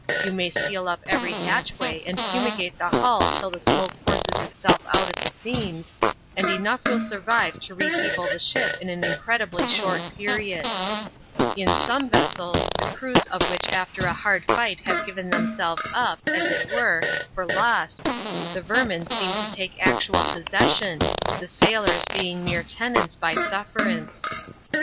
You may seal up every hatchway, and fumigate the hull till the smoke forces itself out at the seams, and enough will survive to repeople the ship in an incredibly short period. In some vessels, the c;rews of which after a hard fight have ^ven tbemselvea up, as it were, for loat^tU^ \ermin seem to CBAP. X.] A SEA PARLOUR DESCRIBED. 89 take actual possession, the sailors being mere tenants bj suf ferance.